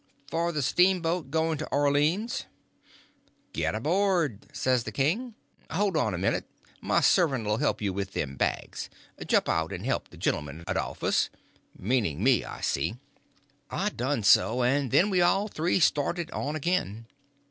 "For the steamboat; going to Orleans." "Git aboard," says the king. "Hold on a minute, my servant 'll he'p you with them bags. Jump out and he'p the gentleman, Adolphus"—meaning me, I see. I done so, and then we all three started on again.